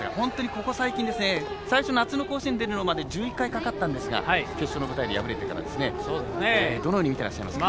ここ最近ですね、夏の甲子園出るまで１１回かかったんですが決勝の舞台で敗れています。